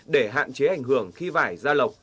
để hạn chế ảnh hưởng khi vải ra lọc